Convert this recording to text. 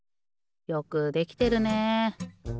よくできてるね。